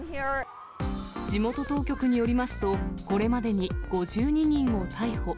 地元当局によりますと、これまでに５２人を逮捕。